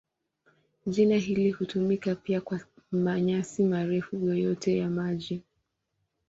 Jina hili hutumika pia kwa manyasi marefu yoyote ya maji.